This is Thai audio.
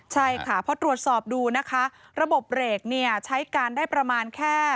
ใช่ค่ะเพราะตรวจสอบดูนะคะระบบเบรกเนี่ยใช้การได้ประมาณแค่